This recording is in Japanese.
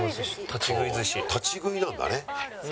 立ち食いなんだね。